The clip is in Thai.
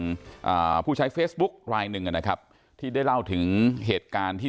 อ่าผู้ใช้เฟซบุ๊คลายหนึ่งอ่ะนะครับที่ได้เล่าถึงเหตุการณ์ที่